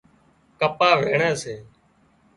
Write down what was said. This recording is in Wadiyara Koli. ڪپا وينڻي سي